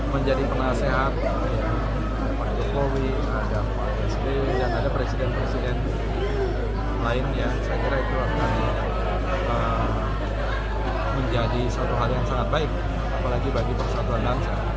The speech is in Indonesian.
menjadi satu hal yang sangat baik apalagi bagi persatuan bangsa